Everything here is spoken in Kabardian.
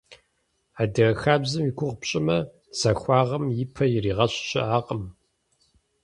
Адыгэ хабзэм и гугъу пщӀымэ – захуагъэм и пэ иригъэщ щыӀакъым.